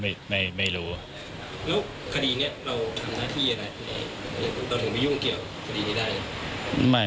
แล้วคดีนี้เราทำหน้าที่อะไรเราถึงไปยุ่งเกี่ยวกับคดีนี้ได้